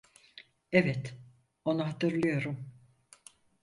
Evet, onu hatırlıyorum.